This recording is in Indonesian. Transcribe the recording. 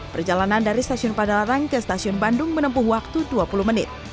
perjalanan dari stasiun padalarang ke stasiun bandung menempuh waktu dua puluh menit